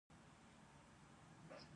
څنګه کولی شم د ماشوم لپاره د قران نوم وټاکم